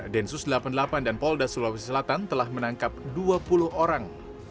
densus delapan puluh delapan dan polda sulawesi selatan telah menangkap dua puluh orang